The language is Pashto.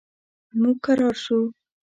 موږ کرار شو.